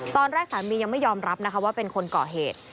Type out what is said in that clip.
ตอนแรกสามียังไม่ยอมรับว่าเป็นคนเกาะเหตุ